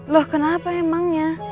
loh kenapa emangnya